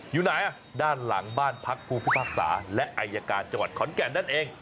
อยู่ไหนด้านหลังบ้านพักผู้พิพากษาและอายการจังหวัดขอนแก่นนั่นเอง